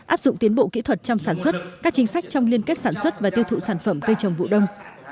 áp dụng tiến bộ kỹ thuật trong sản xuất các chính sách trong liên kết sản xuất và tiêu thụ sản phẩm cây trồng vụ đông